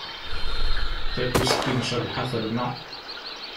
Takuski n Cabḥa terna.